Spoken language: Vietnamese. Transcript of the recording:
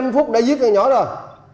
một mươi năm phút đã giết thằng nhỏ rồi